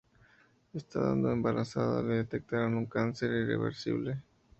Estando embarazada le detectaron un cáncer irreversible.